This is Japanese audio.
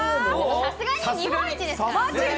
さすがに日本一ですから。